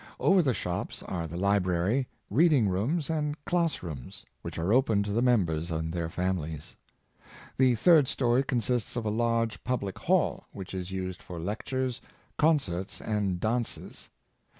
Over the shops are the library, reading rooms, and class rooms, which are open to the members and their families. The third story consists of a large pub lic hall, which is used for lectures, concerts, and dances.